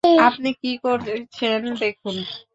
আপনি কি করেছেন দেখুন!